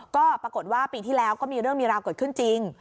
ก็ปรากฏว่าปีที่แล้วก็มีเรื่องมีราวเกิดขึ้นจริง